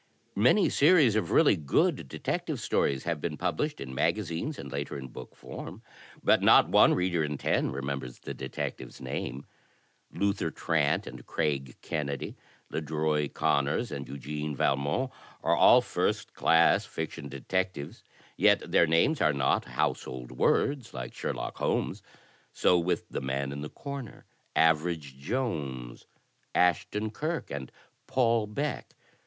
Many series of really good detective stories have been published in magazines, and later in book form, but not one reader in ten remembers the detective's name. * Luther Trant and Craig Kennedy, Ledroit Conners and Eugene Valmont, are all first class fiction detectives yet their names are not household words like Sherlock Holmes. So with The Man in the Corner, Average Jones, Ashton Kirk and Paul Beck.